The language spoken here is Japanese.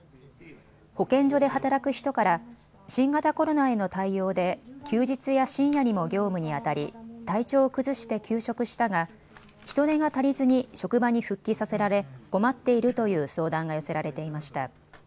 保健所で働く人から新型コロナへの対応で休日や深夜にも業務にあたり、体調を崩して休職したが人手が足りずに職場に復帰させられ困っているという相談が寄せられていました。